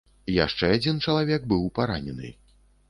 Яшчэ адзін чалавек быў паранены.